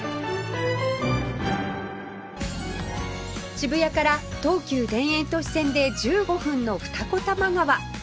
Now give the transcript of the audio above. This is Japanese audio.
渋谷から東急田園都市線で１５分の二子玉川